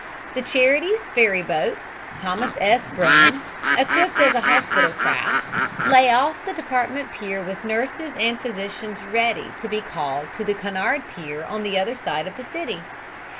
The Charities ferryboat, Thomas S. Brennan, equipped as a hospital craft, lay off the department pier with nurses and physicians ready to be called to the Cunard pier on the other side of the city.